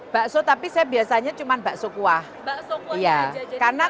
bakso tapi saya biasanya cuma bakso kuah bakso kuah aja jadi lengkap